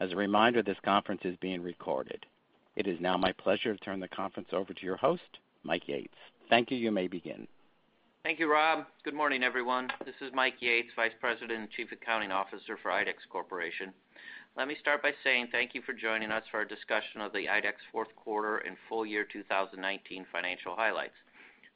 As a reminder, this conference is being recorded. It is now my pleasure to turn the conference over to your host, Mike Yates. Thank you. You may begin. Thank you, Rob. Good morning, everyone. This is Mike Yates, Vice President and Chief Accounting Officer for IDEX Corporation. Let me start by saying thank you for joining us for our discussion of the IDEX fourth quarter and full year 2019 financial highlights.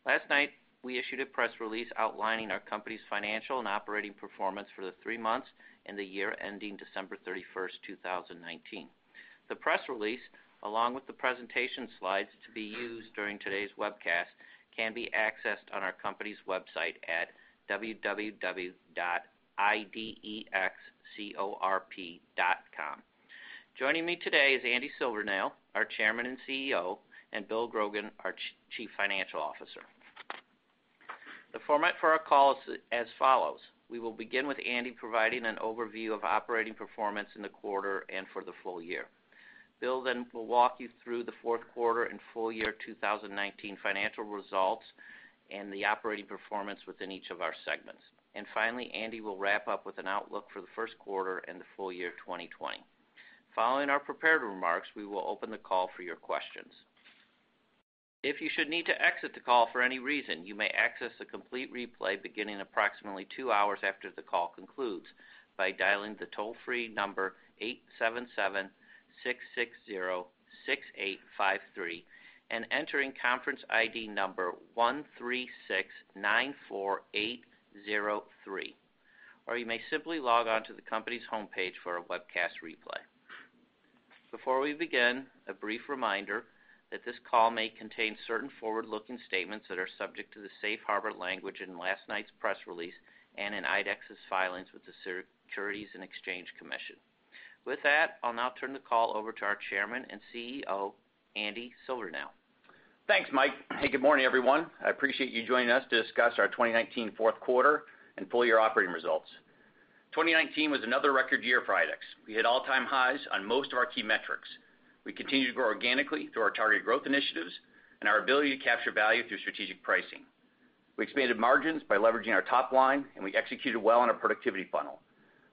Last night, we issued a press release outlining our company's financial and operating performance for the three months and the year ending December 31st, 2019. The press release, along with the presentation slides to be used during today's webcast, can be accessed on our company's website at www.idexcorp.com. Joining me today is Andy Silvernail, our Chairman and CEO, and Bill Grogan, our Chief Financial Officer. The format for our call is as follows. We will begin with Andy providing an overview of operating performance in the quarter and for the full year. Bill will walk you through the fourth quarter and full year 2019 financial results and the operating performance within each of our segments. Finally, Andy will wrap up with an outlook for the first quarter and the full year 2020. Following our prepared remarks, we will open the call for your questions. If you should need to exit the call for any reason, you may access the complete replay beginning approximately two hours after the call concludes by dialing the toll-free number 877-660-6853 and entering conference ID number 13694803, or you may simply log on to the company's homepage for a webcast replay. Before we begin, a brief reminder that this call may contain certain forward-looking statements that are subject to the safe harbor language in last night's press release and in IDEX's filings with the Securities and Exchange Commission. With that, I'll now turn the call over to our Chairman and CEO, Andy Silvernail. Thanks, Mike. Hey, good morning, everyone. I appreciate you joining us to discuss our 2019 fourth quarter and full-year operating results. 2019 was another record year for IDEX. We hit all-time highs on most of our key metrics. We continued to grow organically through our targeted growth initiatives and our ability to capture value through strategic pricing. We expanded margins by leveraging our top line, and we executed well on our productivity funnel.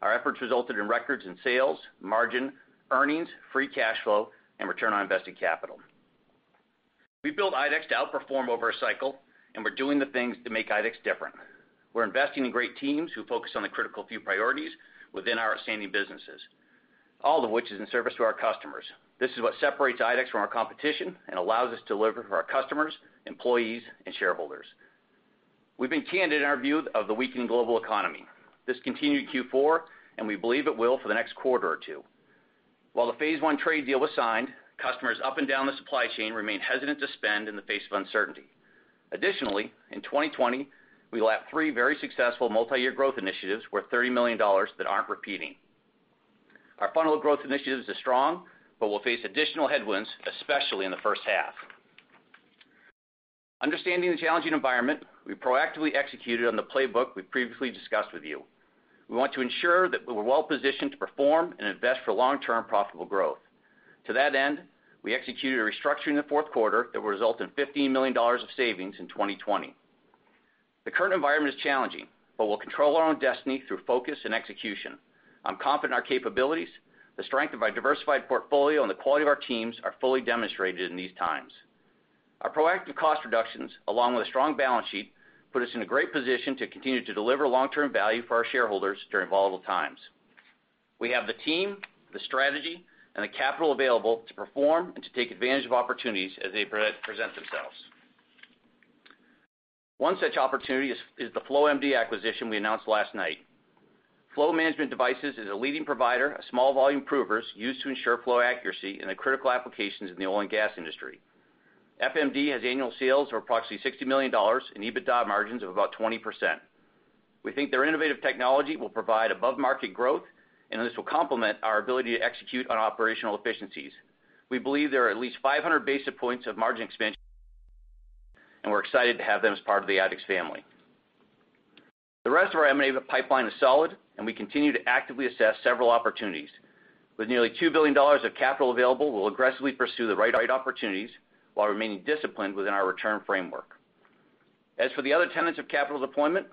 Our efforts resulted in records in sales, margin, earnings, free cash flow, and return on invested capital. We built IDEX to outperform over a cycle, and we're doing the things that make IDEX different. We're investing in great teams who focus on the critical few priorities within our standing businesses, all of which is in service to our customers. This is what separates IDEX from our competition and allows us to deliver for our customers, employees, and shareholders. We've been candid in our view of the weakening global economy. This continued in Q4, and we believe it will for the next quarter or two. While the Phase I trade deal was signed, customers up and down the supply chain remain hesitant to spend in the face of uncertainty. Additionally, in 2020, we lap three very successful multi-year growth initiatives worth $30 million that aren't repeating. Our funnel of growth initiatives is strong, but we'll face additional headwinds, especially in the first half. Understanding the challenging environment, we proactively executed on the playbook we've previously discussed with you. We want to ensure that we're well-positioned to perform and invest for long-term profitable growth. To that end, we executed a restructuring in the fourth quarter that will result in $15 million of savings in 2020. The current environment is challenging. We'll control our own destiny through focus and execution. I'm confident in our capabilities. The strength of our diversified portfolio and the quality of our teams are fully demonstrated in these times. Our proactive cost reductions, along with a strong balance sheet, put us in a great position to continue to deliver long-term value for our shareholders during volatile times. We have the team, the strategy, and the capital available to perform and to take advantage of opportunities as they present themselves. One such opportunity is the Flow MD acquisition we announced last night. Flow Management Devices is a leading provider of small volume provers used to ensure flow accuracy in the critical applications in the oil and gas industry. FMD has annual sales of approximately $60 million and EBITDA margins of about 20%. We think their innovative technology will provide above-market growth, and this will complement our ability to execute on operational efficiencies. We believe there are at least 500 basis points of margin expansion, and we're excited to have them as part of the IDEX family. The rest of our M&A pipeline is solid, and we continue to actively assess several opportunities. With nearly $2 billion of capital available, we'll aggressively pursue the right opportunities while remaining disciplined within our return framework. As for the other tenets of capital deployment,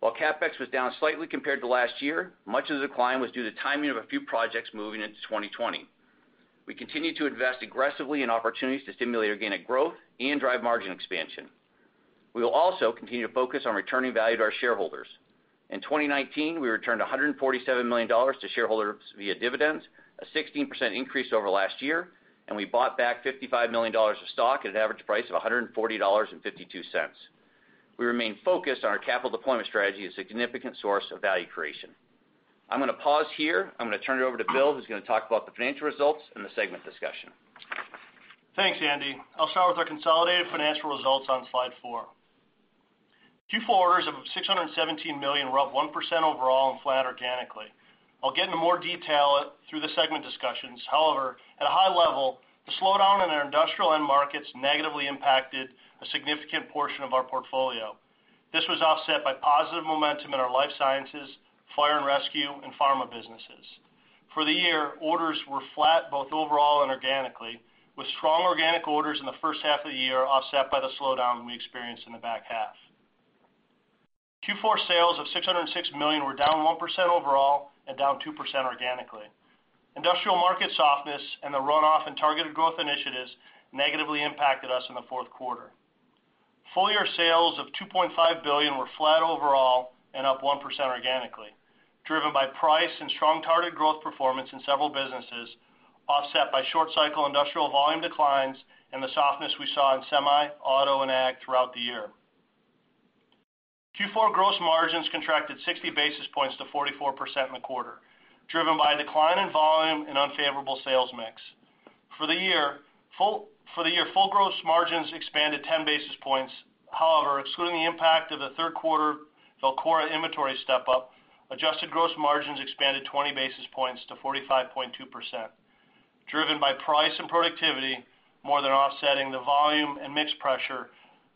while CapEx was down slightly compared to last year, much of the decline was due to the timing of a few projects moving into 2020. We continue to invest aggressively in opportunities to stimulate organic growth and drive margin expansion. We will also continue to focus on returning value to our shareholders. In 2019, we returned $147 million to shareholders via dividends, a 16% increase over last year, and we bought back $55 million of stock at an average price of $140.52. We remain focused on our capital deployment strategy as a significant source of value creation. I'm going to pause here. I'm going to turn it over to Bill, who's going to talk about the financial results and the segment discussion. Thanks, Andy. I'll start with our consolidated financial results on slide four. Q4 orders of $617 million were up 1% overall and flat organically. I'll get into more detail through the segment discussions. However, at a high level, the slowdown in our industrial end markets negatively impacted a significant portion of our portfolio. This was offset by positive momentum in our Life Sciences, Fire & Safety, and Pharma businesses. For the year, orders were flat both overall and organically, with strong organic orders in the first half of the year offset by the slowdown we experienced in the back half. Q4 sales of $606 million were down 1% overall and down 2% organically. Industrial market softness and the runoff in targeted growth initiatives negatively impacted us in the fourth quarter. Full-year sales of $2.5 billion were flat overall and up 1% organically, driven by price and strong targeted growth performance in several businesses, offset by short-cycle industrial volume declines and the softness we saw in semi, auto, and ag throughout the year. Q4 gross margins contracted 60 basis points to 44% in the quarter, driven by a decline in volume and unfavorable sales mix. For the year, full gross margins expanded 10 basis points. However, excluding the impact of the third quarter Velcora inventory step-up, adjusted gross margins expanded 20 basis points to 45.2%, driven by price and productivity more than offsetting the volume and mix pressure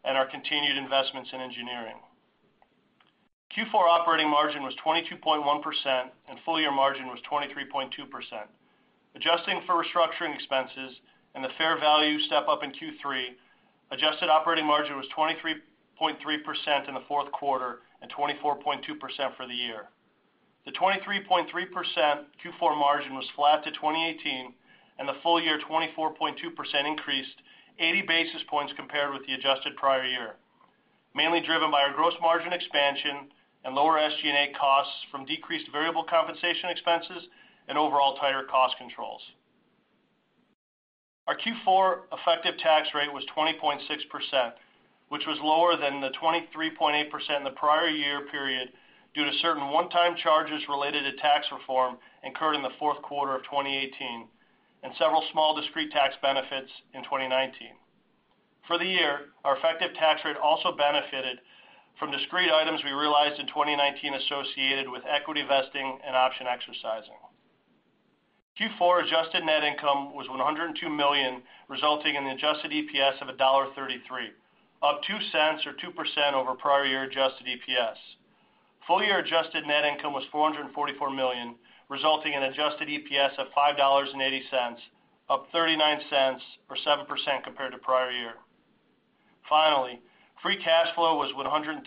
and our continued investments in engineering. Q4 operating margin was 22.1% and full-year margin was 23.2%. Adjusting for restructuring expenses and the fair value step-up in Q3, adjusted operating margin was 23.3% in the fourth quarter and 24.2% for the year. The 23.3% Q4 margin was flat to 2018. The full-year 24.2% increased 80 basis points compared with the adjusted prior year, mainly driven by our gross margin expansion and lower SG&A costs from decreased variable compensation expenses and overall tighter cost controls. Our Q4 effective tax rate was 20.6%, which was lower than the 23.8% in the prior year period due to certain one-time charges related to tax reform incurred in the fourth quarter of 2018 and several small discrete tax benefits in 2019. For the year, our effective tax rate also benefited from discrete items we realized in 2019 associated with equity vesting and option exercising. Q4 adjusted net income was $102 million, resulting in an adjusted EPS of $1.33, up $0.02 or 2% over prior year adjusted EPS. Full-year adjusted net income was $444 million, resulting in adjusted EPS of $5.80, up $0.39 or 7% compared to prior year. Finally, free cash flow was $137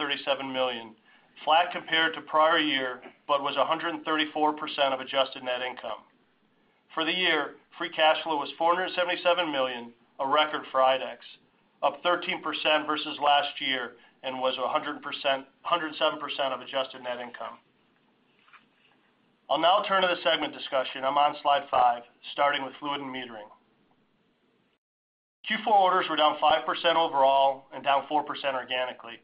million, flat compared to prior year, but was 134% of adjusted net income. For the year, free cash flow was $477 million, a record for IDEX, up 13% versus last year, and was 107% of adjusted net income. I'll now turn to the segment discussion. I'm on slide five, starting with Fluid & Metering. Q4 orders were down 5% overall and down 4% organically,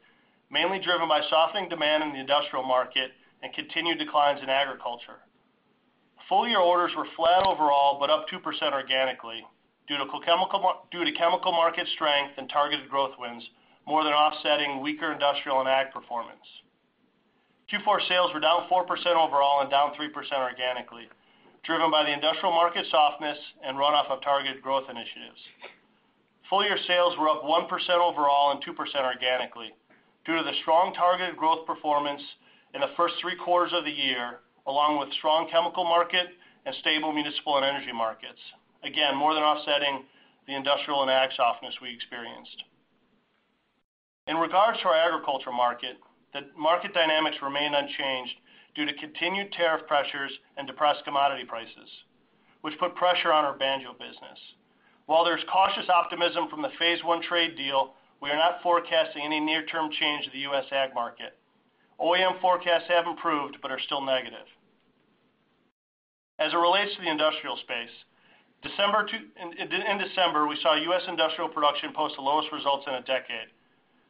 mainly driven by softening demand in the industrial market and continued declines in agriculture. Full-year orders were flat overall, but up 2% organically due to chemical market strength and targeted growth wins more than offsetting weaker industrial and ag performance. Q4 sales were down 4% overall and down 3% organically, driven by the industrial market softness and runoff of targeted growth initiatives. Full-year sales were up 1% overall and 2% organically due to the strong targeted growth performance in the first three quarters of the year, along with strong chemical market and stable municipal and energy markets. More than offsetting the industrial and ag softness we experienced. In regards to our agriculture market, the market dynamics remain unchanged due to continued tariff pressures and depressed commodity prices, which put pressure on our BAND-IT business. While there's cautious optimism from the Phase I trade deal, we are not forecasting any near-term change to the U.S. ag market. OEM forecasts have improved but are still negative. As it relates to the industrial space, in December, we saw U.S. industrial production post the lowest results in a decade.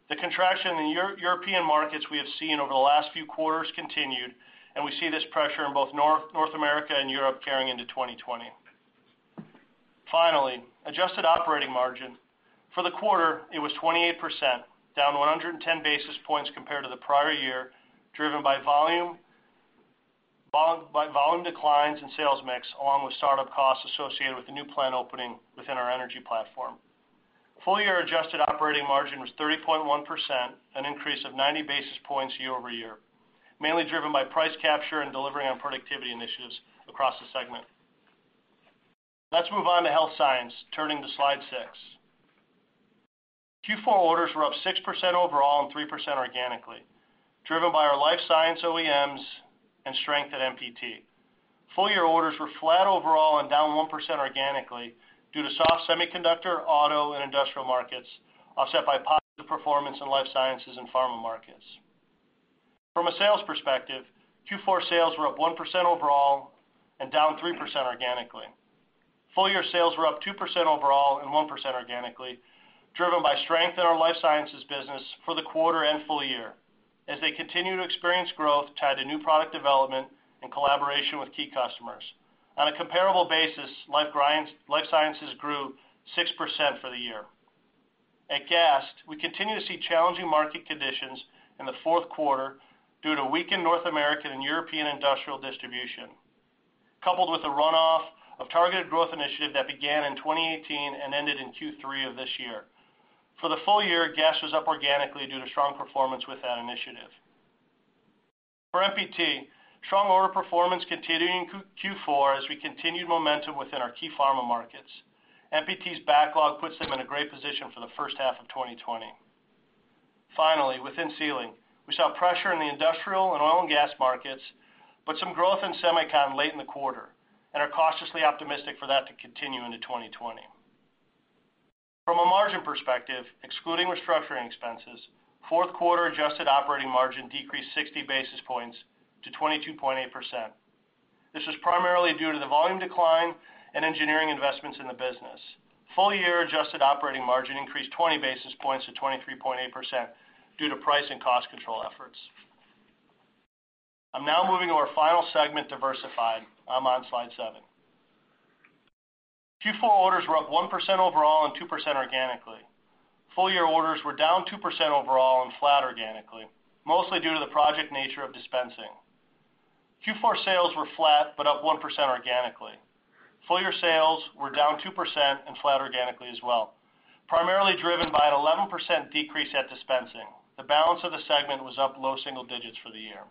The contraction in the European markets we have seen over the last few quarters continued, and we see this pressure in both North America and Europe carrying into 2020. Finally, adjusted operating margin. For the quarter, it was 28%, down 110 basis points compared to the prior year, driven by volume declines in sales mix, along with start-up costs associated with the new plant opening within our energy platform. Full-year adjusted operating margin was 30.1%, an increase of 90 basis points year-over-year, mainly driven by price capture and delivering on productivity initiatives across the segment. Let's move on to Health Science, turning to slide six. Q4 orders were up 6% overall and 3% organically, driven by our Life Science OEMs and strength at MPT. Full-year orders were flat overall and down 1% organically due to soft semiconductor, auto, and industrial markets, offset by positive performance in Life Sciences and Pharma markets. From a sales perspective, Q4 sales were up 1% overall and down 3% organically. Full-year sales were up 2% overall and 1% organically, driven by strength in our Life Sciences business for the quarter and full year as they continue to experience growth tied to new product development and collaboration with key customers. On a comparable basis, Life Sciences grew 6% for the year. At Gast, we continue to see challenging market conditions in the fourth quarter due to weakened North American and European industrial distribution, coupled with a runoff of targeted growth initiative that began in 2018 and ended in Q3 of this year. For the full year, Gast was up organically due to strong performance with that initiative. For MPT, strong order performance continued in Q4 as we continued momentum within our key pharma markets. MPT's backlog puts them in a great position for the first half of 2020. Finally, within Sealing, we saw pressure in the industrial and oil and gas markets, but some growth in semicon late in the quarter, and are cautiously optimistic for that to continue into 2020. From a margin perspective, excluding restructuring expenses, fourth quarter adjusted operating margin decreased 60 basis points to 22.8%. This was primarily due to the volume decline and engineering investments in the business. Full-year adjusted operating margin increased 20 basis points to 23.8% due to price and cost control efforts. I'm now moving to our final segment, Diversified. I'm on slide seven. Q4 orders were up 1% overall and 2% organically. Full-year orders were down 2% overall and flat organically, mostly due to the project nature of dispensing. Q4 sales were flat, but up 1% organically. Full-year sales were down 2% and flat organically as well, primarily driven by an 11% decrease at dispensing. The balance of the segment was up low single digits for the year.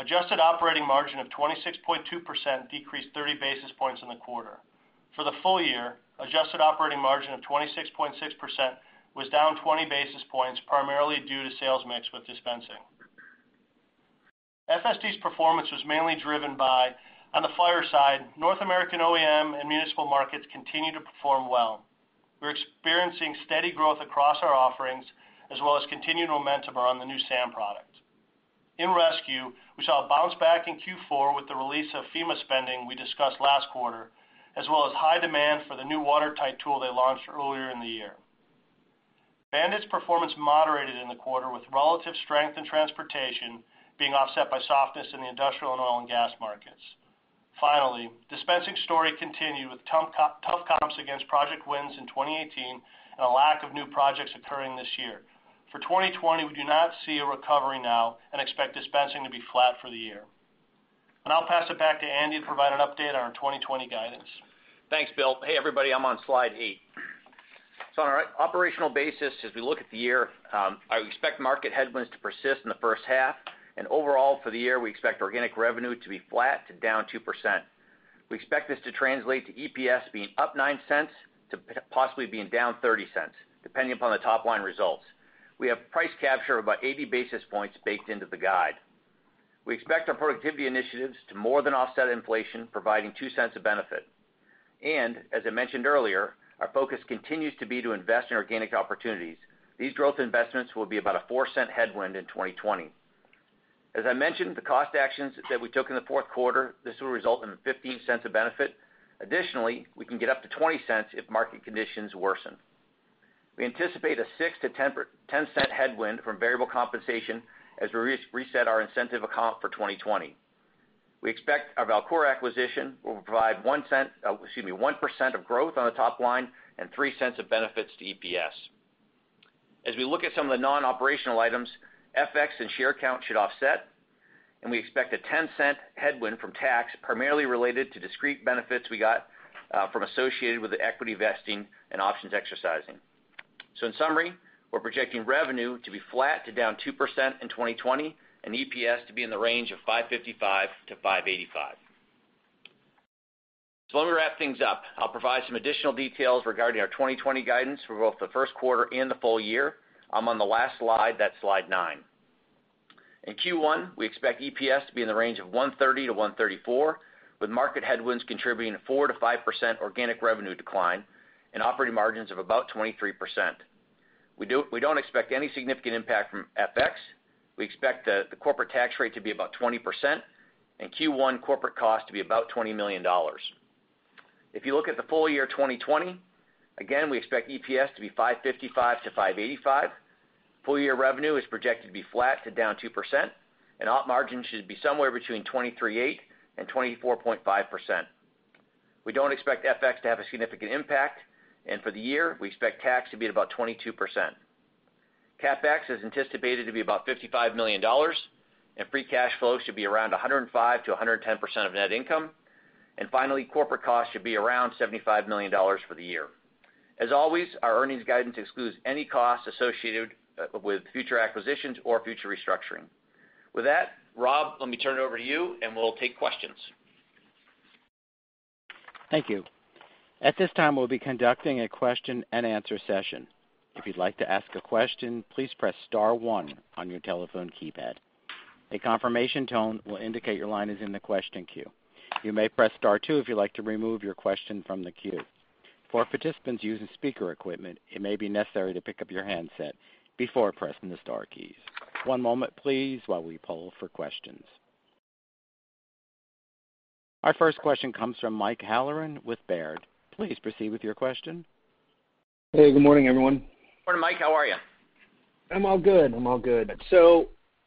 Adjusted operating margin of 26.2% decreased 30 basis points in the quarter. For the full year, adjusted operating margin of 26.6% was down 20 basis points, primarily due to sales mix with dispensing. FSD's performance was mainly driven by, on the fire side, North American OEM and municipal markets continue to perform well. We're experiencing steady growth across our offerings, as well as continued momentum around the new SAM product. In Rescue, we saw a bounce back in Q4 with the release of FEMA spending we discussed last quarter, as well as high demand for the new water-tight tool they launched earlier in the year. BAND-IT's performance moderated in the quarter, with relative strength in transportation being offset by softness in the industrial and oil and gas markets. Finally, dispensing story continued with tough comps against project wins in 2018 and a lack of new projects occurring this year. For 2020, we do not see a recovery now and expect dispensing to be flat for the year. I'll pass it back to Andy to provide an update on our 2020 guidance. Thanks, Bill. Hey, everybody. I'm on slide eight. On our operational basis, as we look at the year, I expect market headwinds to persist in the first half, and overall for the year, we expect organic revenue to be flat to down 2%. We expect this to translate to EPS being up $0.09 to possibly being down $0.30, depending upon the top-line results. We have price capture of about 80 basis points baked into the guide. We expect our productivity initiatives to more than offset inflation, providing $0.02 of benefit. As I mentioned earlier, our focus continues to be to invest in organic opportunities. These growth investments will be about a $0.04 headwind in 2020. As I mentioned, the cost actions that we took in the fourth quarter. This will result in $0.15 of benefit. Additionally, we can get up to $0.20 if market conditions worsen. We anticipate a $0.06-$0.10 headwind from variable compensation as we reset our incentive comp for 2020. We expect our Velcora acquisition will provide 1% of growth on the top line and $0.03 of benefits to EPS. As we look at some of the non-operational items, FX and share count should offset, and we expect a $0.10 headwind from tax, primarily related to discrete benefits we got from associated with the equity vesting and options exercising. In summary, we're projecting revenue to be flat to down 2% in 2020 and EPS to be in the range of $5.55-$5.85. Let me wrap things up. I'll provide some additional details regarding our 2020 guidance for both the first quarter and the full year. I'm on the last slide. That's slide nine. In Q1, we expect EPS to be in the range of $1.30-$1.34, with market headwinds contributing a 4%-5% organic revenue decline and operating margins of about 23%. We don't expect any significant impact from FX. We expect the corporate tax rate to be about 20% and Q1 corporate cost to be about $20 million. If you look at the full year 2020, again, we expect EPS to be $5.55-$5.85. Full-year revenue is projected to be flat to down 2%, and op margin should be somewhere between 23.8% and 24.5%. We don't expect FX to have a significant impact, for the year, we expect tax to be at about 22%. CapEx is anticipated to be about $55 million, and free cash flow should be around 105%-110% of net income. Finally, corporate costs should be around $75 million for the year. As always, our earnings guidance excludes any costs associated with future acquisitions or future restructuring. With that, Rob, let me turn it over to you, and we'll take questions. Thank you. At this time, we'll be conducting a question and answer session. If you'd like to ask a question, please press star one on your telephone keypad. A confirmation tone will indicate your line is in the question queue. You may press star two if you'd like to remove your question from the queue. For participants using speaker equipment, it may be necessary to pick up your handset before pressing the star keys. One moment, please, while we poll for questions. Our first question comes from Mike Halloran with Baird. Please proceed with your question. Hey, good morning, everyone. Morning, Mike. How are you? I'm all good.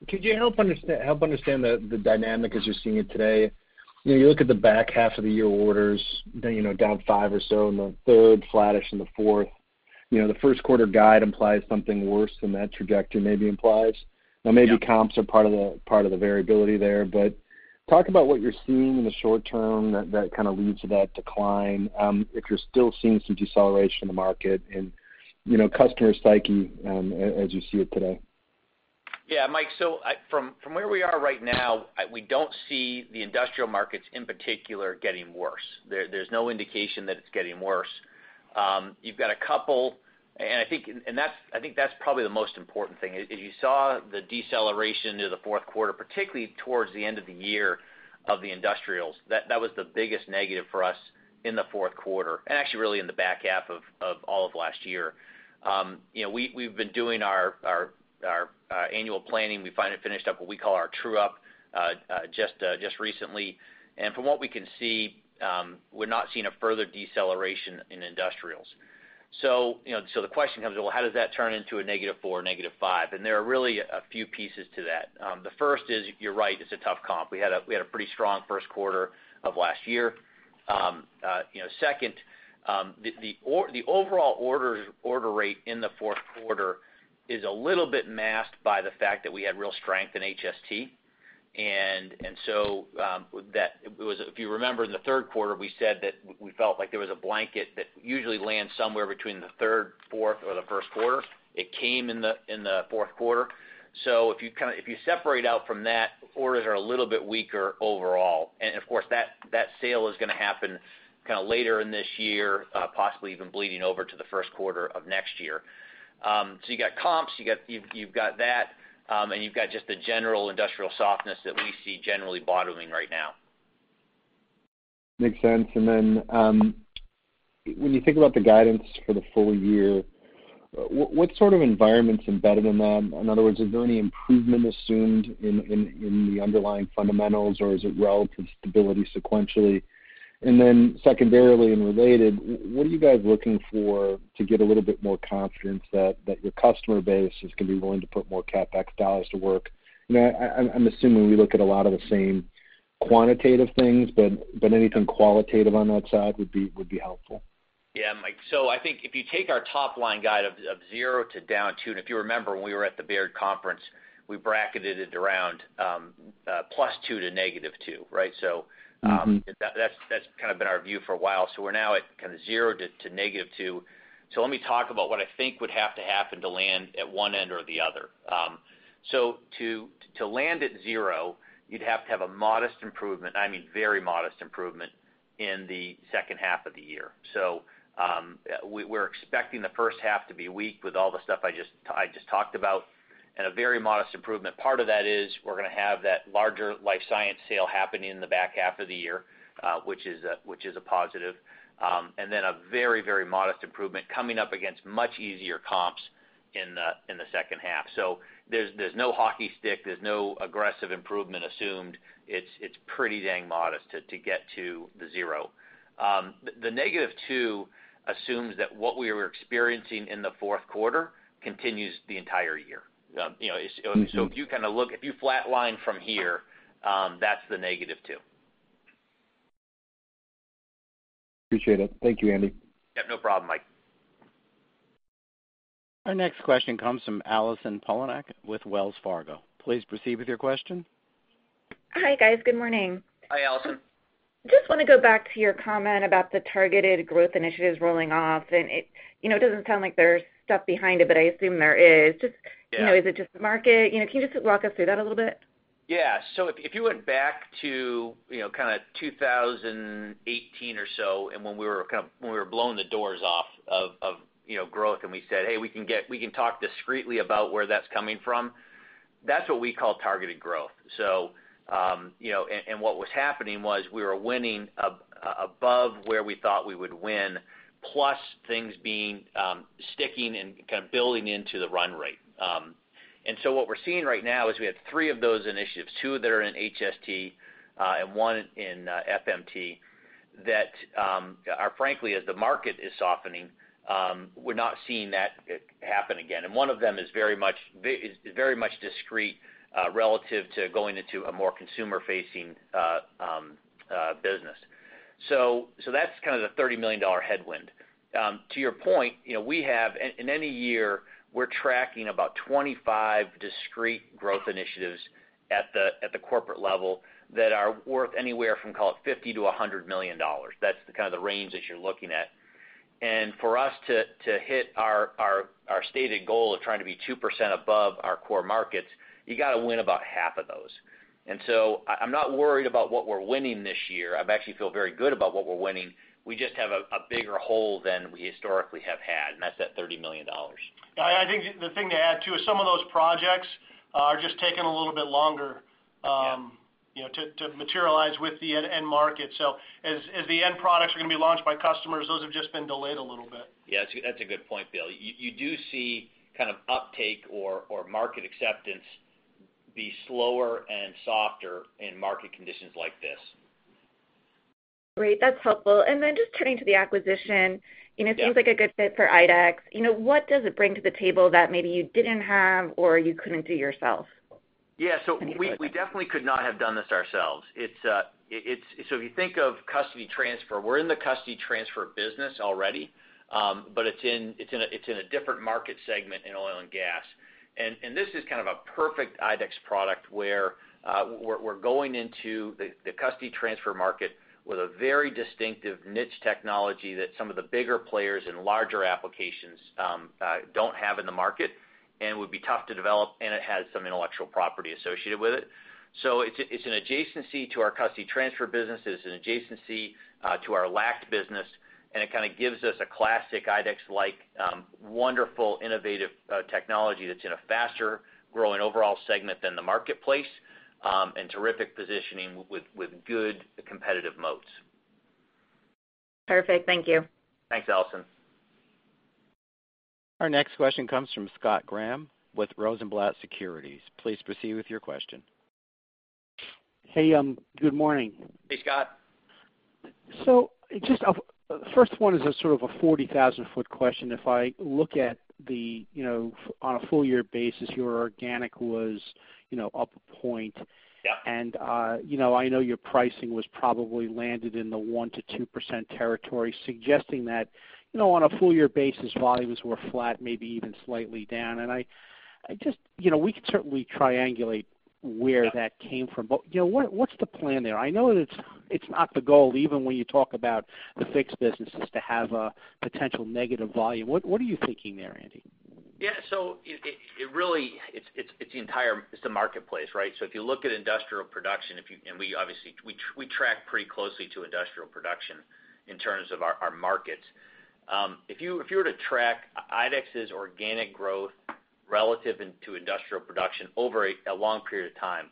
Could you help understand the dynamic as you're seeing it today? You look at the back half of the year orders, down five or so in the third, flattish in the fourth. The first quarter guide implies something worse than that trajectory maybe implies. Maybe comps are part of the variability there. Talk about what you're seeing in the short term that kind of leads to that decline, if you're still seeing some deceleration in the market and customer psyche as you see it today. Yeah, Mike, from where we are right now, we don't see the industrial markets in particular getting worse. There's no indication that it's getting worse. You've got a couple, I think that's probably the most important thing is you saw the deceleration of the fourth quarter, particularly towards the end of the year, of the industrials. That was the biggest negative for us in the fourth quarter, actually really in the back half of all of last year. We've been doing our annual planning. We finally finished up what we call our true-up just recently. From what we can see, we're not seeing a further deceleration in industrials. The question comes, well, how does that turn into a -4%, -5%? There are really a few pieces to that. The first is, you're right, it's a tough comp. We had a pretty strong first quarter of last year. Second, the overall order rate in the fourth quarter is a little bit masked by the fact that we had real strength in HST. If you remember in the third quarter, we said that we felt like there was a blanket that usually lands somewhere between the third, fourth, or the first quarter. It came in the fourth quarter. If you separate out from that, orders are a little bit weaker overall. Of course, that sale is going to happen later in this year, possibly even bleeding over to the first quarter of next year. You've got comps, you've got that, and you've got just the general industrial softness that we see generally bottoming right now. Makes sense. When you think about the guidance for the full year, what sort of environment's embedded in that? In other words, is there any improvement assumed in the underlying fundamentals, or is it relative stability sequentially? Secondarily and related, what are you guys looking for to get a little bit more confidence that your customer base is going to be willing to put more CapEx dollars to work? I'm assuming we look at a lot of the same quantitative things, but anything qualitative on that side would be helpful. Yeah, Mike. I think if you take our top-line guide of zero to down 2%, and if you remember when we were at the Baird Conference, we bracketed it around +2% to -2%, right? That's kind of been our view for a while. We're now at kind of zero to -2%. Let me talk about what I think would have to happen to land at one end or the other. To land at zero, you'd have to have a modest improvement, I mean, very modest improvement, in the second half of the year. We're expecting the first half to be weak with all the stuff I just talked about, and a very modest improvement. Part of that is we're going to have that larger Life Science sale happening in the back half of the year, which is a positive. Then a very modest improvement coming up against much easier comps in the second half. There's no hockey stick. There's no aggressive improvement assumed. It's pretty dang modest to get to the zero. The -2% assumes that what we were experiencing in the fourth quarter continues the entire year. If you flat line from here, that's the -2%. Appreciate it. Thank you, Andy. Yeah, no problem, Mike. Our next question comes from Allison Poliniak with Wells Fargo. Please proceed with your question. Hi, guys. Good morning. Hi, Allison. Just want to go back to your comment about the targeted growth initiatives rolling off. It doesn't sound like there's stuff behind it, but I assume there is. Yeah. Is it just the market? Can you just walk us through that a little bit? Yeah. If you went back to 2018 or so, and when we were blowing the doors off of growth, and we said, "Hey, we can talk discreetly about where that's coming from," that's what we call targeted growth. What was happening was we were winning above where we thought we would win, plus things sticking and kind of building into the run rate. What we're seeing right now is we have three of those initiatives, two that are in HST and one in FMT, that are frankly, as the market is softening, we're not seeing that happen again. One of them is very much discreet relative to going into a more consumer-facing business. That's kind of the $30 million headwind. To your point, in any year, we're tracking about 25 discreet growth initiatives at the corporate level that are worth anywhere from, call it, $50 million-$100 million. That's kind of the range that you're looking at. For us to hit our stated goal of trying to be 2% above our core markets, you got to win about half of those. I'm not worried about what we're winning this year. I actually feel very good about what we're winning. We just have a bigger hole than we historically have had, and that's that $30 million. I think the thing to add, too, is some of those projects are just taking a little bit longer. Yeah To materialize with the end market. As the end products are going to be launched by customers, those have just been delayed a little bit. Yeah, that's a good point, Bill. You do see kind of uptake or market acceptance be slower and softer in market conditions like this. Great. That's helpful. Just turning to the acquisition. Yeah It seems like a good fit for IDEX. What does it bring to the table that maybe you didn't have or you couldn't do yourself? Yeah. We definitely could not have done this ourselves. If you think of custody transfer, we're in the custody transfer business already, but it's in a different market segment in oil and gas. This is kind of a perfect IDEX product where we're going into the custody transfer market with a very distinctive niche technology that some of the bigger players in larger applications don't have in the market and would be tough to develop, and it has some intellectual property associated with it. It's an adjacency to our custody transfer business, it's an adjacency to our LACT business, and it kind of gives us a classic IDEX-like, wonderful, innovative technology that's in a faster-growing overall segment than the marketplace, and terrific positioning with good competitive moats. Perfect. Thank you. Thanks, Allison. Our next question comes from Scott Graham with Rosenblatt Securities. Please proceed with your question. Hey, good morning. Hey, Scott. Just first one is a sort of a 40,000-foot question. If I look at on a full year basis, your organic was up a point. Yeah. I know your pricing was probably landed in the 1%-2% territory, suggesting that on a full year basis, volumes were flat, maybe even slightly down. We could certainly triangulate where that came from. What's the plan there? I know that it's not the goal, even when you talk about the fixed businesses, to have a potential negative volume. What are you thinking there, Andy? Yeah. Really, it's the marketplace, right? If you look at industrial production, and we obviously track pretty closely to industrial production in terms of our markets. If you were to track IDEX's organic growth relative to industrial production over a long period of time,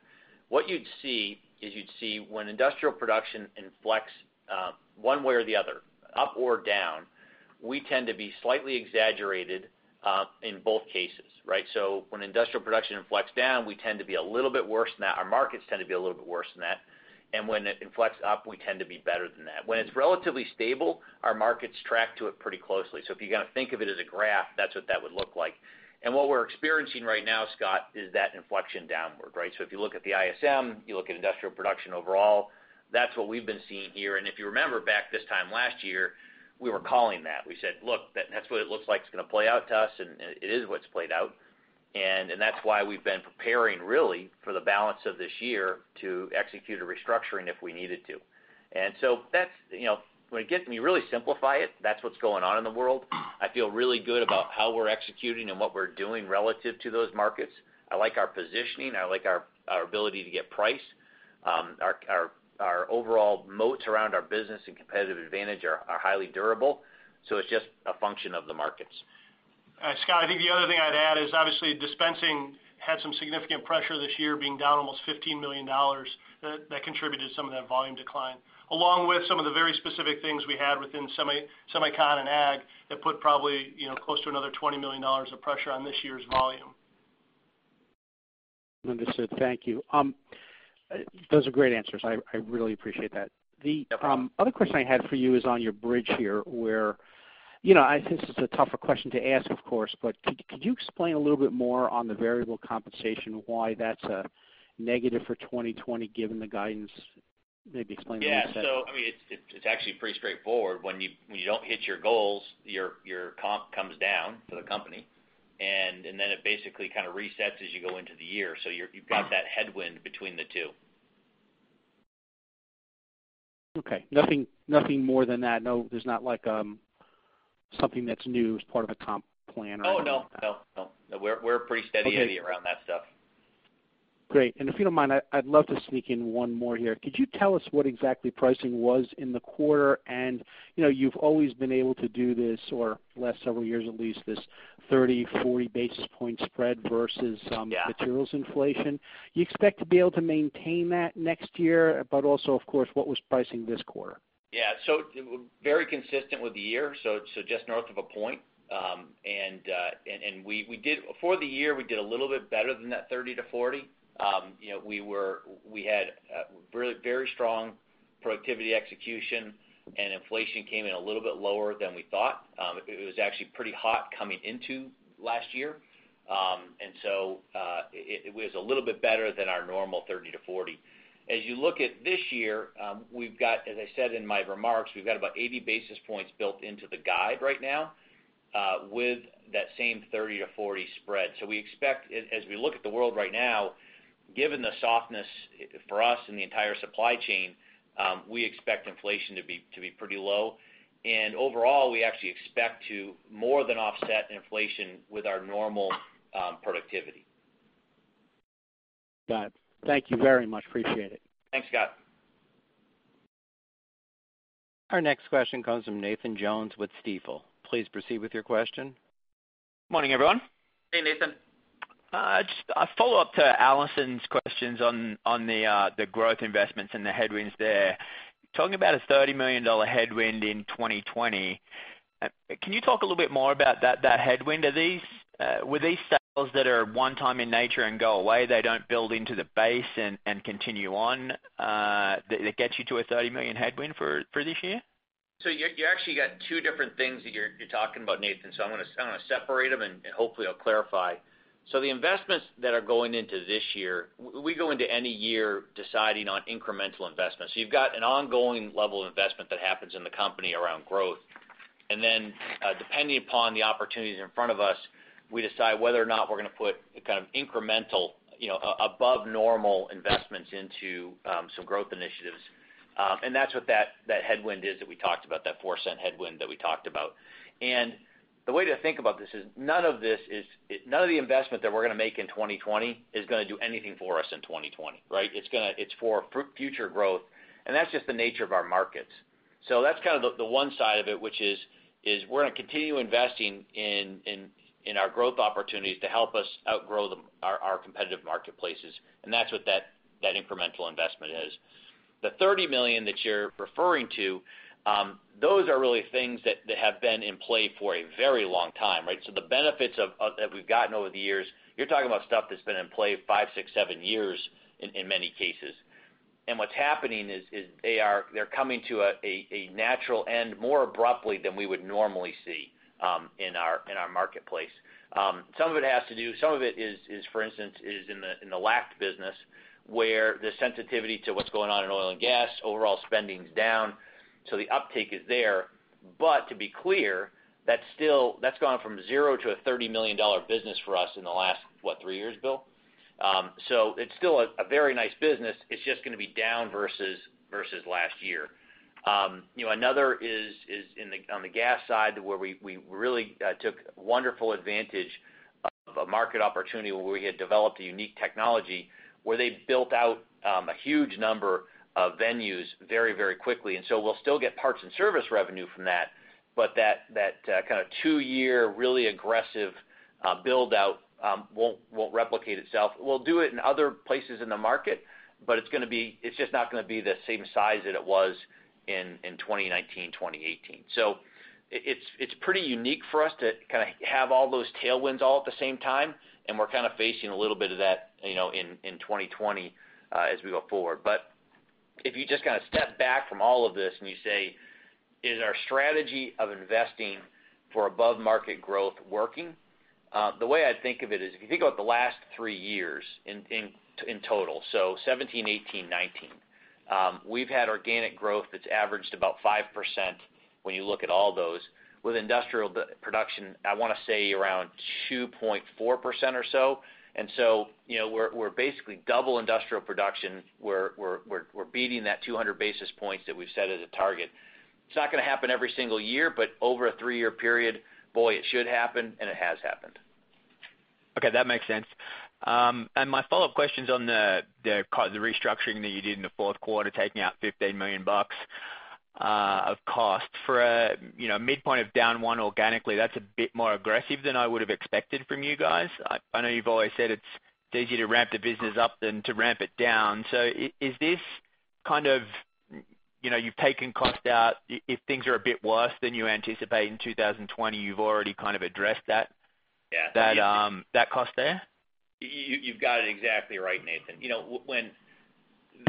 what you'd see is when industrial production inflects one way or the other, up or down, we tend to be slightly exaggerated in both cases, right? When industrial production inflects down, we tend to be a little bit worse than that. Our markets tend to be a little bit worse than that. When it inflects up, we tend to be better than that. When it's relatively stable, our markets track to it pretty closely. If you think of it as a graph, that's what that would look like. What we're experiencing right now, Scott, is that inflection downward, right? If you look at the ISM, you look at industrial production overall, that's what we've been seeing here. If you remember back this time last year, we were calling that. We said, "Look, that's what it looks like it's going to play out to us," and it is what's played out. That's why we've been preparing really for the balance of this year to execute a restructuring if we needed to. When you really simplify it, that's what's going on in the world. I feel really good about how we're executing and what we're doing relative to those markets. I like our positioning. I like our ability to get price. Our overall moats around our business and competitive advantage are highly durable, so it's just a function of the markets. Scott, I think the other thing I'd add is obviously dispensing had some significant pressure this year, being down almost $15 million. That contributed to some of that volume decline, along with some of the very specific things we had within semicon and ag that put probably close to another $20 million of pressure on this year's volume. Understood. Thank you. Those are great answers. I really appreciate that. Yeah. The other question I had for you is on your bridge here where, I think this is a tougher question to ask, of course, but could you explain a little bit more on the variable compensation, why that's a negative for 2020 given the guidance? Maybe explain a little bit that. Yeah. It's actually pretty straightforward. When you don't hit your goals, your comp comes down for the company, and then it basically kind of resets as you go into the year. You've got that headwind between the two. Okay. Nothing more than that? There's not something that's new as part of a comp plan or anything like that? Oh, no. We're pretty steady Andy around that stuff. Okay. Great. If you don't mind, I'd love to sneak in one more here. Could you tell us what exactly pricing was in the quarter? You've always been able to do this or the last several years at least, this 30, 40 basis point spread versus materials inflation. Yeah Do you expect to be able to maintain that next year? Also, of course, what was pricing this quarter? Yeah. Very consistent with the year, just north of one point. For the year, we did a little bit better than that 30-40. We had very strong productivity execution, and inflation came in a little bit lower than we thought. It was actually pretty hot coming into last year. It was a little bit better than our normal 30-40 basis points. As you look at this year, as I said in my remarks, we've got about 80 basis points built into the guide right now, with that same 30-40 basis points spread. As we look at the world right now, given the softness for us in the entire supply chain, we expect inflation to be pretty low. Overall, we actually expect to more than offset inflation with our normal productivity. Got it. Thank you very much. Appreciate it. Thanks, Scott. Our next question comes from Nathan Jones with Stifel. Please proceed with your question. Morning, everyone. Hey, Nathan. Just a follow-up to Allison's questions on the growth investments and the headwinds there. Talking about a $30 million headwind in 2020, can you talk a little bit more about that headwind? Were these sales that are one time in nature and go away, they don't build into the base and continue on, that gets you to a $30 million headwind for this year? You actually got two different things that you're talking about, Nathan, so I'm going to separate them and hopefully I'll clarify. The investments that are going into this year, we go into any year deciding on incremental investments. You've got an ongoing level of investment that happens in the company around growth. Then, depending upon the opportunities in front of us, we decide whether or not we're going to put incremental above normal investments into some growth initiatives. That's what that headwind is that we talked about, that $0.04 headwind that we talked about. The way to think about this is none of the investment that we're going to make in 2020 is going to do anything for us in 2020, right? It's for future growth, and that's just the nature of our markets. That's kind of the one side of it, which is we're going to continue investing in our growth opportunities to help us outgrow our competitive marketplaces. That's what that incremental investment is. The $30 million that you're referring to, those are really things that have been in play for a very long time, right? The benefits that we've gotten over the years, you're talking about stuff that's been in play five, six, seven years in many cases. What's happening is they're coming to a natural end more abruptly than we would normally see in our marketplace. Some of it is, for instance, is in the LACT business, where the sensitivity to what's going on in oil and gas, overall spending's down. The uptake is there, but to be clear, that's gone from zero to a $30 million business for us in the last, what, three years, Bill? It's still a very nice business. It's just going to be down versus last year. Another is on the gas side, where we really took wonderful advantage of a market opportunity where we had developed a unique technology where they built out a huge number of venues very quickly. We'll still get parts and service revenue from that, but that kind of two-year really aggressive build-out won't replicate itself. We'll do it in other places in the market, it's just not going to be the same size that it was in 2019, 2018. It's pretty unique for us to have all those tailwinds all at the same time, and we're kind of facing a little bit of that in 2020 as we go forward. If you just kind of step back from all of this and you say, "Is our strategy of investing for above-market growth working?" The way I think of it is, if you think about the last three years in total, so 2017, 2018, 2019, we've had organic growth that's averaged about 5% when you look at all those. With industrial production, I want to say around 2.4% or so. We're basically double industrial production. We're beating that 200 basis points that we've set as a target. It's not going to happen every single year, but over a three-year period, boy, it should happen, and it has happened. Okay, that makes sense. My follow-up question is on the restructuring that you did in the fourth quarter, taking out $15 million of cost for a midpoint of down one organically. That's a bit more aggressive than I would have expected from you guys. I know you've always said it's easier to ramp the business up than to ramp it down. You've taken cost out. If things are a bit worse than you anticipate in 2020, you've already kind of addressed that cost there? You've got it exactly right, Nathan.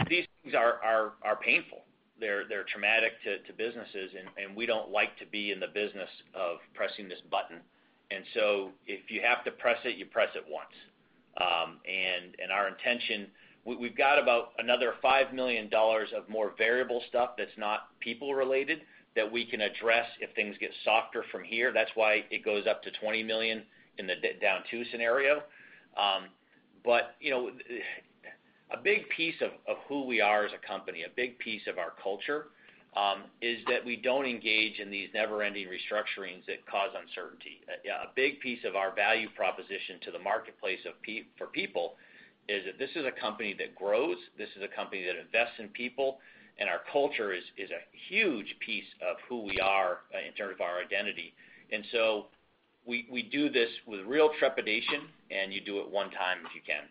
These things are painful. They're traumatic to businesses, and we don't like to be in the business of pressing this button. If you have to press it, you press it once. Our intention, we've got about another $5 million of more variable stuff that's not people related that we can address if things get softer from here. That's why it goes up to $20 million in the down two scenario. A big piece of who we are as a company, a big piece of our culture, is that we don't engage in these never-ending restructurings that cause uncertainty. A big piece of our value proposition to the marketplace for people is that this is a company that grows, this is a company that invests in people, and our culture is a huge piece of who we are in terms of our identity. We do this with real trepidation, and you do it one time if you can.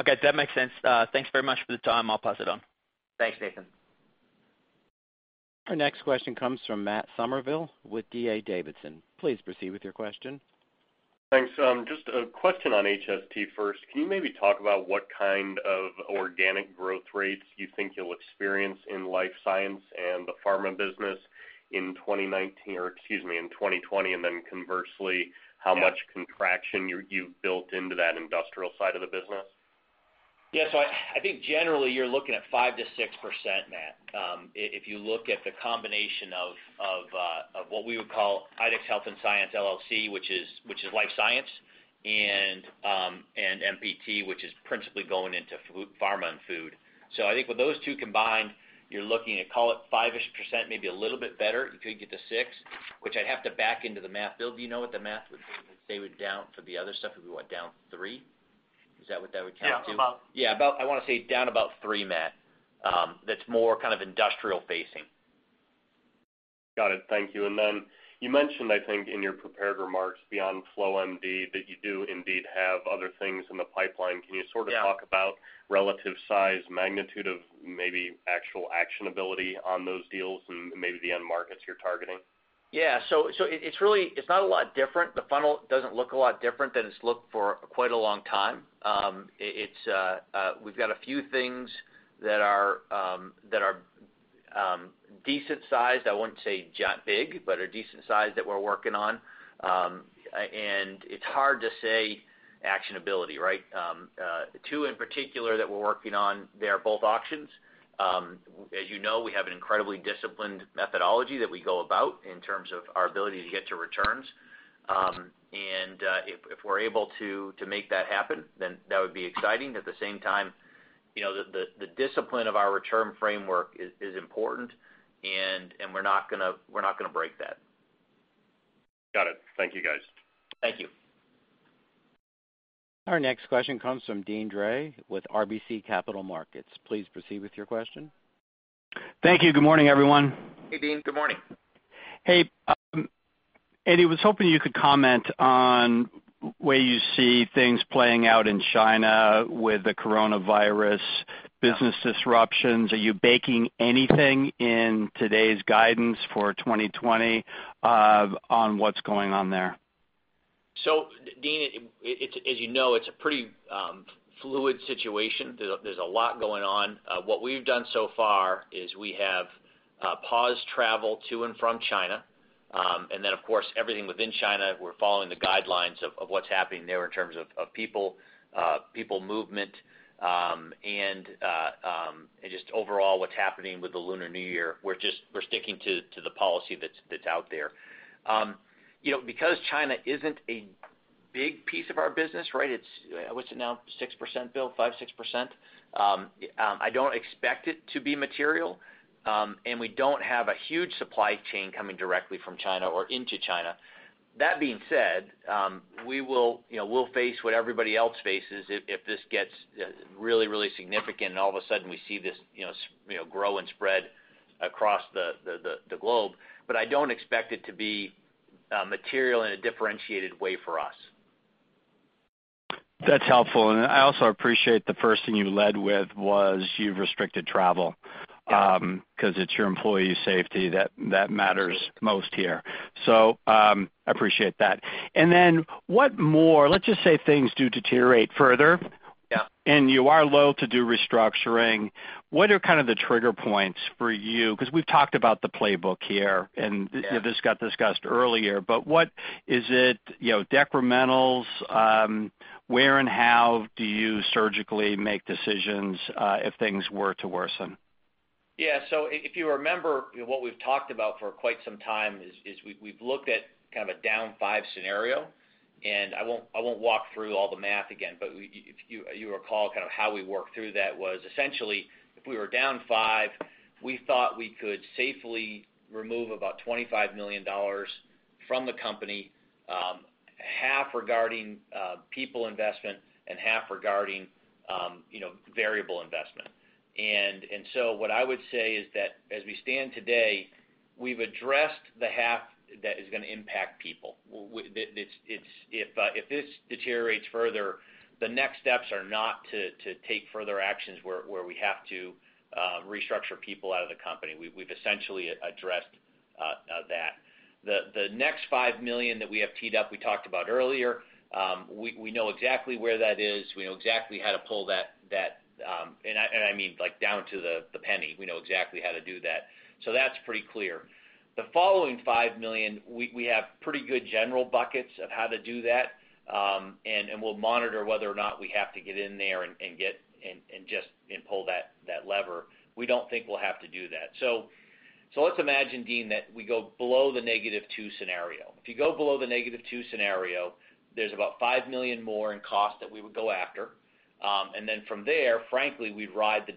Okay. That makes sense. Thanks very much for the time. I'll pass it on. Thanks, Nathan. Our next question comes from Matt Summerville with D.A. Davidson. Please proceed with your question. Thanks. Just a question on HST first. Can you maybe talk about what kind of organic growth rates you think you'll experience in Life Science and the Pharma business in 2019, or excuse me, in 2020? Conversely, how much contraction you've built into that industrial side of the business? Yeah. I think generally you're looking at 5%-6%, Matt. If you look at the combination of what we would call IDEX Health and Science LLC, which is Life Science, and MPT, which is principally going into pharma and food. I think with those two combined, you're looking at, call it 5%-ish, maybe a little bit better. You could get to 6%, which I'd have to back into the math. Bill, do you know what the math would be if they went down for the other stuff, if we went down 3%? Is that what that would count to? Yeah, about. Yeah, about, I want to say down about 3%, Matt. That's more kind of industrial facing. Got it. Thank you. You mentioned, I think, in your prepared remarks beyond Flow MD that you do indeed have other things in the pipeline. Yeah. Can you sort of talk about relative size, magnitude of maybe actual actionability on those deals and maybe the end markets you're targeting? It's not a lot different. The funnel doesn't look a lot different than it's looked for quite a long time. We've got a few things that are decent sized, I wouldn't say big, but are decent sized that we're working on. It's hard to say actionability, right? Two in particular that we're working on, they are both auctions. As you know, we have an incredibly disciplined methodology that we go about in terms of our ability to get to returns. If we're able to make that happen, then that would be exciting. At the same time, the discipline of our return framework is important, and we're not going to break that. Got it. Thank you, guys. Thank you. Our next question comes from Deane Dray with RBC Capital Markets. Please proceed with your question. Thank you. Good morning, everyone. Hey, Deane. Good morning. Hey. Andy, was hoping you could comment on where you see things playing out in China with the coronavirus business disruptions. Are you baking anything in today's guidance for 2020 on what's going on there? Deane, as you know, it's a pretty fluid situation. There's a lot going on. What we've done so far is we have paused travel to and from China. Of course, everything within China, we're following the guidelines of what's happening there in terms of people movement, and just overall what's happening with the Lunar New Year. We're sticking to the policy that's out there. China isn't a big piece of our business, right? What's it now, 6%, Bill? 5%, 6%? I don't expect it to be material. We don't have a huge supply chain coming directly from China or into China. That being said, we'll face what everybody else faces if this gets really significant, and all of a sudden we see this grow and spread across the globe. I don't expect it to be material in a differentiated way for us. That's helpful. I also appreciate the first thing you led with was you've restricted travel. Yeah Because it's your employee safety that matters most here. Appreciate that. Let's just say things do deteriorate further. Yeah You are loath to do restructuring. What are kind of the trigger points for you? We've talked about the playbook here, and this got discussed earlier. What is it, detrimentals? Where and how do you surgically make decisions if things were to worsen? Yeah. If you remember, what we've talked about for quite some time is we've looked at kind of a down five scenario. I won't walk through all the math again, but if you recall kind of how we worked through that was essentially, if we were down five, we thought we could safely remove about $25 million from the company, half regarding people investment and half regarding variable investment. What I would say is that as we stand today, we've addressed the half that is going to impact people. If this deteriorates further, the next steps are not to take further actions where we have to restructure people out of the company. We've essentially addressed that. The next $5 million that we have teed up, we talked about earlier. We know exactly where that is. We know exactly how to pull that, I mean, like, down to the penny. We know exactly how to do that. That's pretty clear. The following $5 million, we have pretty good general buckets of how to do that. We'll monitor whether or not we have to get in there and pull that lever. We don't think we'll have to do that. Let's imagine, Deane, that we go below the -2% scenario. If you go below the -2% scenario, there's about $5 million more in cost that we would go after. From there, frankly, we'd ride the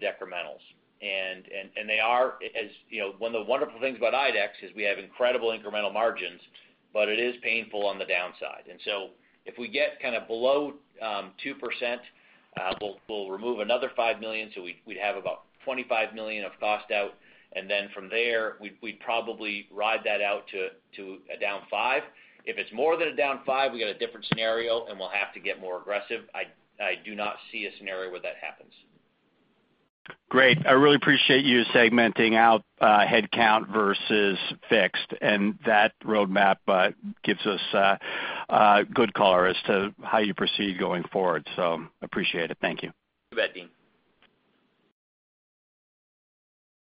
detrimentals. One of the wonderful things about IDEX is we have incredible incremental margins, but it is painful on the downside. If we get kind of below 2%, we'll remove another $5 million, so we'd have about $25 million of cost-out, and then from there, we'd probably ride that out to a down 5%. If it's more than a down 5%, we got a different scenario, and we'll have to get more aggressive. I do not see a scenario where that happens. Great. I really appreciate you segmenting out headcount versus fixed, that roadmap gives us a good color as to how you proceed going forward. Appreciate it. Thank you. You bet, Deane.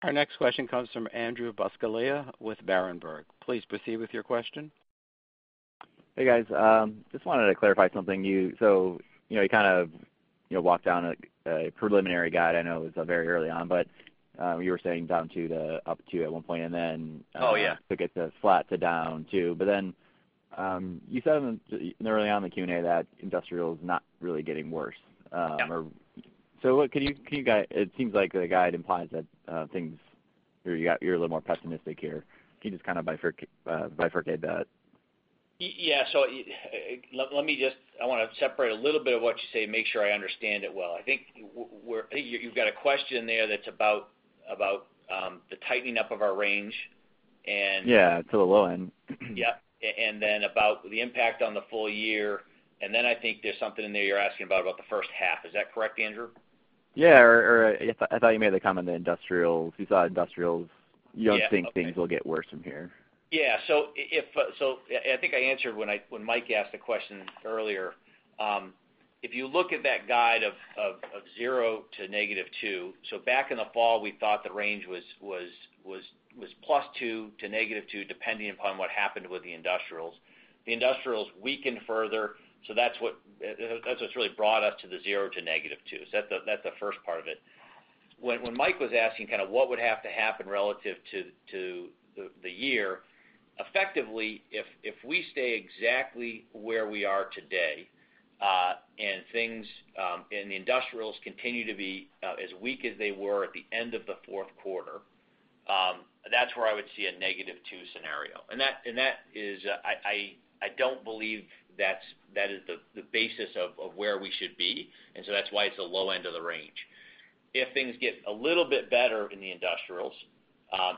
Our next question comes from Andrew Buscaglia with Berenberg. Please proceed with your question. Hey, guys. Just wanted to clarify something. You kind of walked down a preliminary guide. I know it was very early on, but you were saying down two to up two at one point. Oh, yeah. To get to flat to down two. You said early on in the Q&A that industrial's not really getting worse. Yeah. It seems like the guide implies that you're a little more pessimistic here. Can you just kind of bifurcate that? Yeah. Let me just I want to separate a little bit of what you say and make sure I understand it well. I think you've got a question there that's about the tightening up of our range. Yeah, to the low end. Yeah. About the impact on the full year, and then I think there's something in there you're asking about the first half. Is that correct, Andrew? Yeah. I thought you made the comment that you thought industrials, you don't think things will get worse from here. Yeah. I think I answered when Mike asked the question earlier. If you look at that guide of zero to -2%, back in the fall, we thought the range was +2% to -2%, depending upon what happened with the industrials. The industrials weakened further, that's what's really brought us to the zero to -2%. That's the first part of it. When Mike was asking kind of what would have to happen relative to the year, effectively, if we stay exactly where we are today, and the industrials continue to be as weak as they were at the end of the fourth quarter, that's where I would see a -2% scenario. I don't believe that is the basis of where we should be, that's why it's the low end of the range. If things get a little bit better in the industrials,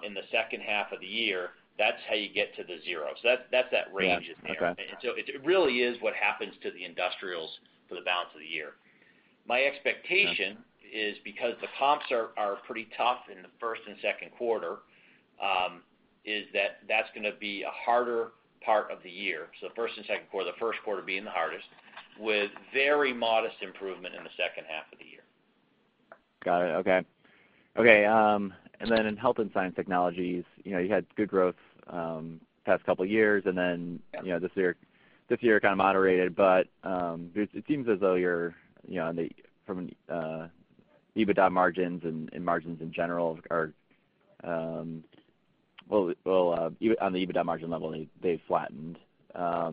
in the second half of the year, that's how you get to the zero. That's that range in there. Yeah. Okay. It really is what happens to the industrials for the balance of the year. My expectation is because the comps are pretty tough in the first and second quarter, is that that's going to be a harder part of the year. The first and second quarter, the first quarter being the hardest, with very modest improvement in the second half of the year. Got it. Okay. Then in Health & Science Technologies, you had good growth past couple years, then this year kind of moderated, but it seems as though from an EBITDA margins and margins in general, on the EBITDA margin level, they've flattened. I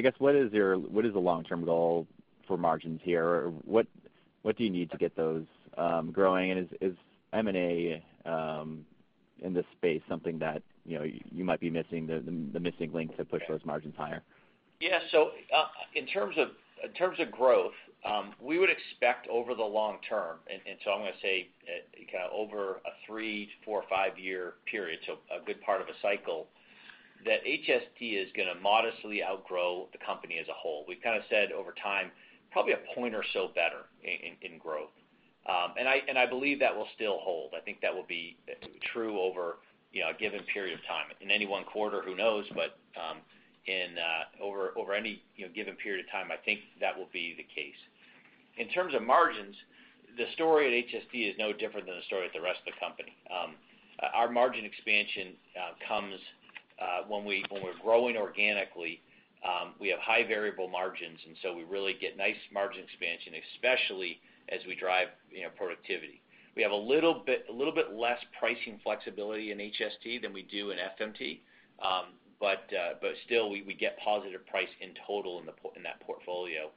guess, what is the long-term goal for margins here? What do you need to get those growing, and is M&A in this space something that you might be missing, the missing link to push those margins higher? Yeah. In terms of growth, we would expect over the long term, I'm going to say kind of over a three to four or five-year period, so a good part of a cycle, that HST is going to modestly outgrow the company as a whole. We've kind of said over time, probably a point or so better in growth. I believe that will still hold. I think that will be true over a given period of time. In any one quarter, who knows? Over any given period of time, I think that will be the case. In terms of margins, the story at HST is no different than the story at the rest of the company. Our margin expansion comes when we're growing organically. We have high variable margins, we really get nice margin expansion, especially as we drive productivity. We have a little bit less pricing flexibility in HST than we do in FMT. Still, we get positive price in total in that portfolio.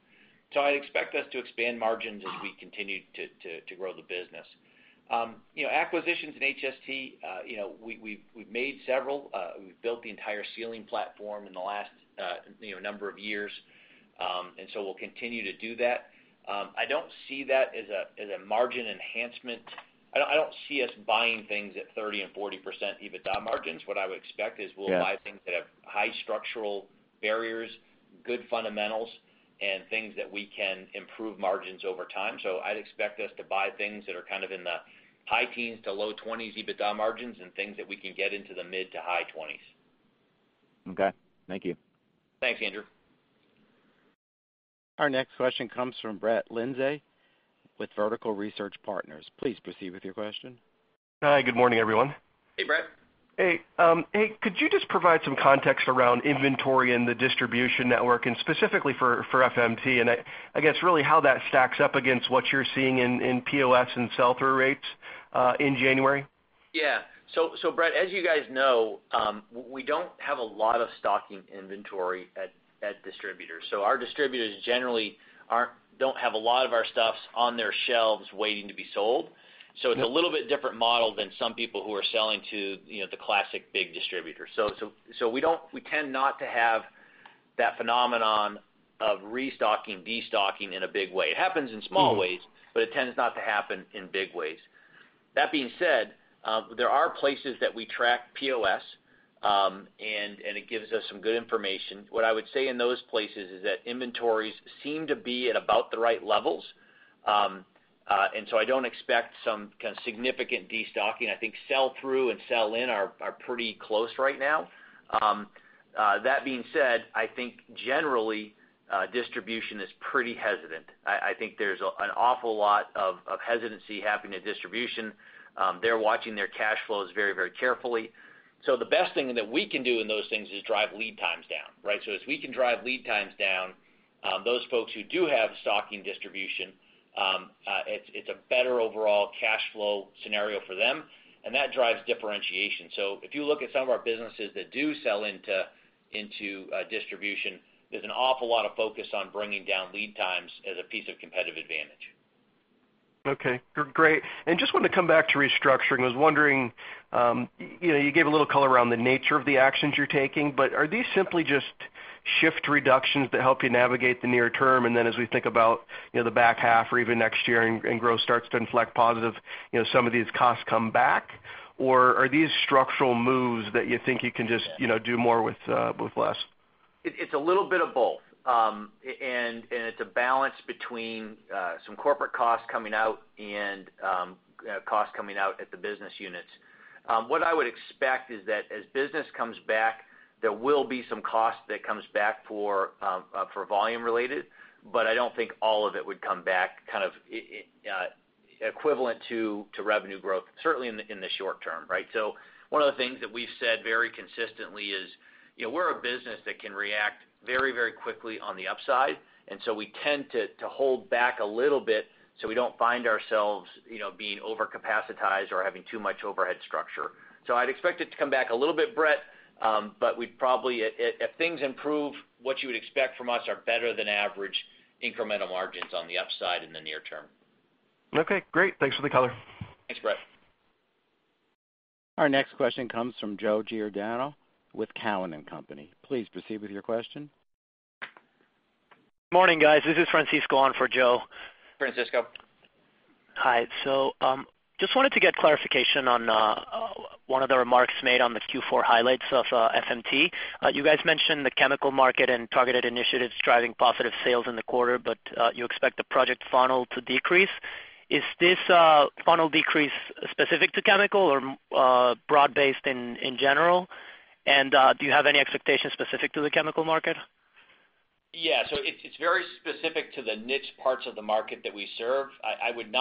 I'd expect us to expand margins as we continue to grow the business. Acquisitions in HST, we've made several. We've built the entire Sealing platform in the last number of years. We'll continue to do that. I don't see that as a margin enhancement. I don't see us buying things at 30% and 40% EBITDA margins. What I would expect is we'll buy things that have high structural barriers, good fundamentals, and things that we can improve margins over time. I'd expect us to buy things that are kind of in the high teens to low 20s EBITDA margins and things that we can get into the mid to high 20s. Okay. Thank you. Thanks, Andrew. Our next question comes from Brett Linzey with Vertical Research Partners. Please proceed with your question. Hi. Good morning, everyone. Hey, Brett. Hey. Could you just provide some context around inventory and the distribution network, and specifically for FMT, and I guess, really how that stacks up against what you're seeing in POS and sell-through rates, in January? Yeah. Brett, as you guys know, we don't have a lot of stocking inventory at distributors. Our distributors generally don't have a lot of our stuff on their shelves waiting to be sold. It's a little bit different model than some people who are selling to the classic big distributors. We tend not to have that phenomenon of restocking, destocking in a big way. It happens in small ways, but it tends not to happen in big ways. That being said, there are places that we track POS, and it gives us some good information. What I would say in those places is that inventories seem to be at about the right levels. I don't expect some kind of significant destocking. I think sell-through and sell-in are pretty close right now. That being said, I think generally, distribution is pretty hesitant. I think there's an awful lot of hesitancy happening at distribution. They're watching their cash flows very, very carefully. The best thing that we can do in those things is drive lead times down. Right. As we can drive lead times down, those folks who do have stocking distribution, it's a better overall cash flow scenario for them, and that drives differentiation. If you look at some of our businesses that do sell into distribution, there's an awful lot of focus on bringing down lead times as a piece of competitive advantage. Okay. Great. Just wanted to come back to restructuring. I was wondering, you gave a little color around the nature of the actions you're taking, but are these simply just shift reductions that help you navigate the near term, and then as we think about the back half or even next year and growth starts to inflect positive, some of these costs come back? Or are these structural moves that you think you can just do more with less? It's a little bit of both. It's a balance between some corporate costs coming out and costs coming out at the business units. What I would expect is that as business comes back, there will be some cost that comes back for volume related, but I don't think all of it would come back equivalent to revenue growth, certainly in the short term, right? One of the things that we've said very consistently is we're a business that can react very quickly on the upside, and so we tend to hold back a little bit so we don't find ourselves being over-capacitized or having too much overhead structure. I'd expect it to come back a little bit, Brett. If things improve, what you would expect from us are better than average incremental margins on the upside in the near term. Okay, great. Thanks for the color. Thanks, Brett. Our next question comes from Joe Giordano with Cowen and Company. Please proceed with your question. Morning, guys. This is Francisco on for Joe. Francisco. Hi. Just wanted to get clarification on one of the remarks made on the Q4 highlights of FMT. You guys mentioned the chemical market and targeted initiatives driving positive sales in the quarter, but you expect the project funnel to decrease. Is this funnel decrease specific to chemical or broad-based in general? Do you have any expectations specific to the chemical market? Yeah. It's very specific to the niche parts of the market that we serve. I would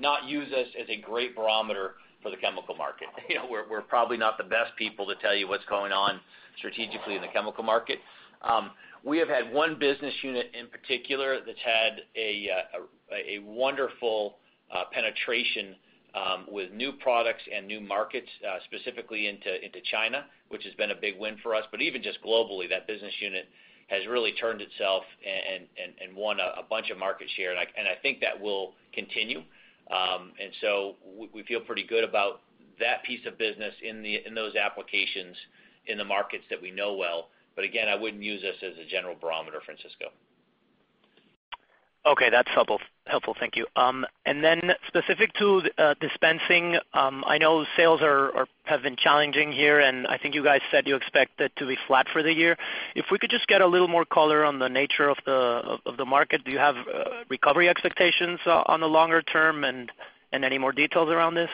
not use this as a great barometer for the chemical market. We're probably not the best people to tell you what's going on strategically in the chemical market. We have had one business unit in particular that's had a wonderful penetration with new products and new markets, specifically into China, which has been a big win for us. Even just globally, that business unit has really turned itself and won a bunch of market share, and I think that will continue. We feel pretty good about that piece of business in those applications in the markets that we know well. Again, I wouldn't use this as a general barometer, Francisco. Okay, that's helpful. Thank you. Then specific to dispensing, I know sales have been challenging here, and I think you guys said you expect it to be flat for the year. If we could just get a little more color on the nature of the market. Do you have recovery expectations on the longer term, and any more details around this?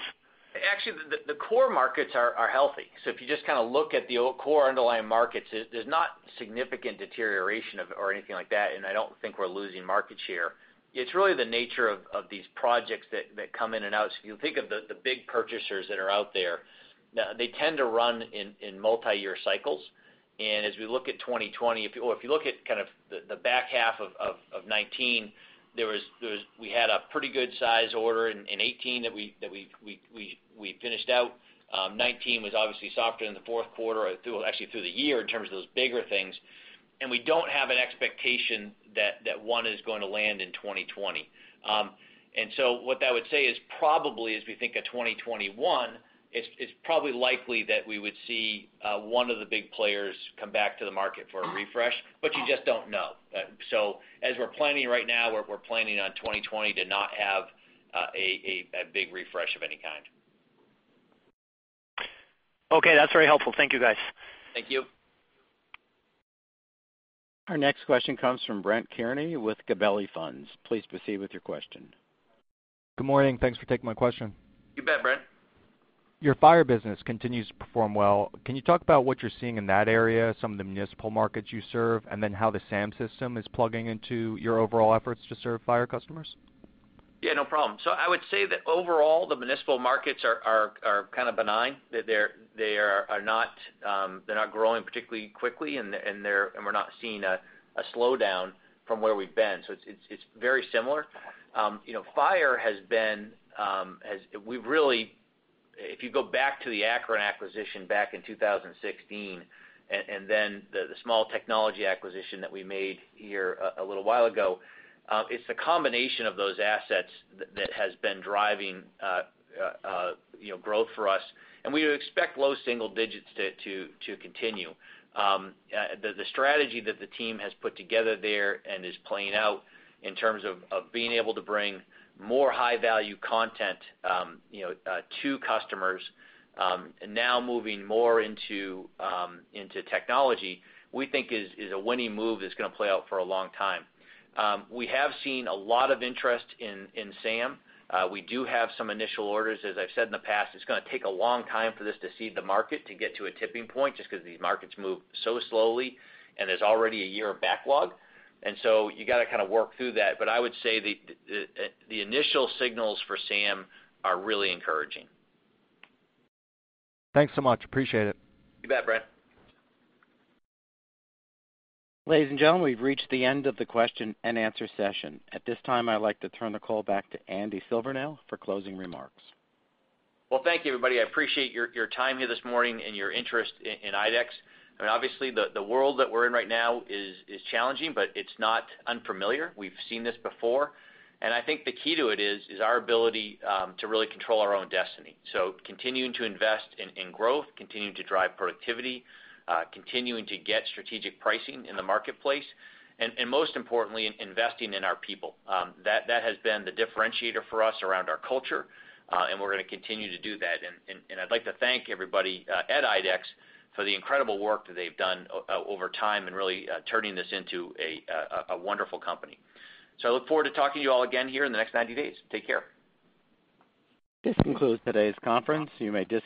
Actually, the core markets are healthy. If you just look at the core underlying markets, there's not significant deterioration or anything like that, and I don't think we're losing market share. It's really the nature of these projects that come in and out. If you think of the big purchasers that are out there, they tend to run in multi-year cycles. As we look at 2020, or if you look at the back half of 2019, we had a pretty good size order in 2018 that we finished out. 2019 was obviously softer in the fourth quarter, actually through the year in terms of those bigger things. We don't have an expectation that one is going to land in 2020. What that would say is probably as we think of 2021, it's probably likely that we would see one of the big players come back to the market for a refresh, but you just don't know. As we're planning right now, we're planning on 2020 to not have a big refresh of any kind. Okay, that's very helpful. Thank you, guys. Thank you. Our next question comes from Brett Kearney with Gabelli Funds. Please proceed with your question. Good morning. Thanks for taking my question. You bet, Brett. Your Fire business continues to perform well. Can you talk about what you're seeing in that area, some of the municipal markets you serve, and then how the SAM system is plugging into your overall efforts to serve fire customers? Yeah, no problem. I would say that overall, the municipal markets are kind of benign. They're not growing particularly quickly, and we're not seeing a slowdown from where we've been. It's very similar. Fire has been, if you go back to the Akron acquisition back in 2016, and then the small technology acquisition that we made here a little while ago, it's the combination of those assets that has been driving growth for us, and we would expect low single digits to continue. The strategy that the team has put together there and is playing out in terms of being able to bring more high-value content to customers, now moving more into technology, we think is a winning move that's going to play out for a long time. We have seen a lot of interest in SAM. We do have some initial orders. As I've said in the past, it's going to take a long time for this to seed the market to get to a tipping point, just because these markets move so slowly, and there's already a year of backlog. You got to kind of work through that. I would say the initial signals for SAM are really encouraging. Thanks so much. Appreciate it. You bet, Brett. Ladies and gentlemen, we've reached the end of the question and answer session. At this time, I'd like to turn the call back to Andy Silvernail for closing remarks. Well, thank you, everybody. I appreciate your time here this morning and your interest in IDEX. Obviously, the world that we're in right now is challenging, but it's not unfamiliar. We've seen this before. I think the key to it is our ability to really control our own destiny. Continuing to invest in growth, continuing to drive productivity, continuing to get strategic pricing in the marketplace, and most importantly, investing in our people. That has been the differentiator for us around our culture, and we're going to continue to do that. I'd like to thank everybody at IDEX for the incredible work that they've done over time in really turning this into a wonderful company. I look forward to talking to you all again here in the next 90 days. Take care. This concludes today's conference. You may disconnect.